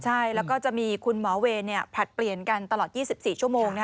ใช่แล้วก็จะมีคุณหมอเวรผลัดเปลี่ยนกันตลอด๒๔ชั่วโมง